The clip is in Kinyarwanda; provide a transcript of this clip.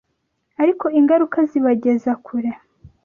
ariko ingaruka zibageza kure.